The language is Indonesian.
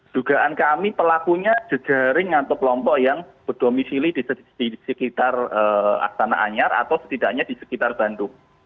dugaan kami pelakunya jejaring atau kelompok yang berdomisili di sekitar astana anyar atau setidaknya di sekitar bandung